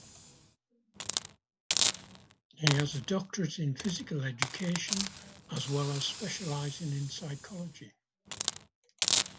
He has a Doctorate in Physical Education, as well as specialising in Psychology.